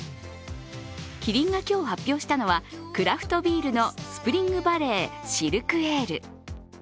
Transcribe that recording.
キリンが今日発表したのはクラフトビールのＳＰＲＩＮＧＶＡＬＬＥＹシルクエール。